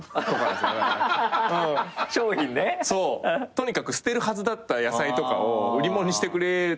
とにかく捨てるはずだった野菜とかを売り物にしてくれたりするじゃないですか。